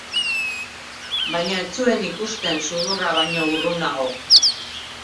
Baina ez zuen ikusten sudurra baino urrunago.